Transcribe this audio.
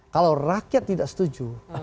kalau rakyat tidak setuju